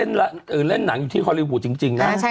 เล่นหนังอยู่ที่ฮอลลีวูดจริงนะ